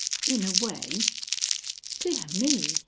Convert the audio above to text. "In a way." "Dear me!